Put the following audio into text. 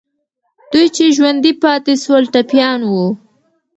دوی چې ژوندي پاتې سول، ټپیان وو.